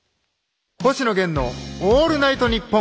「星野源のオールナイトニッポン」。